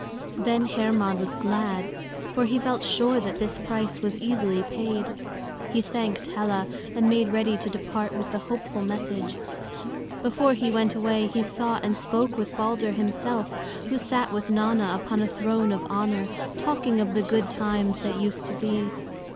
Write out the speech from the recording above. Then Hermod was glad, for he felt sure that this price was easily paid. He thanked Hela, and made ready to depart with the hopeful message. Before he went away he saw and spoke with Balder himself, who sat with Nanna upon a throne of honor, talking of the good times that used to be.